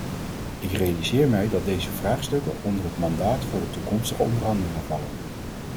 Ik realiseer mij dat deze vraagstukken onder het mandaat voor de toekomstige onderhandelingen vallen.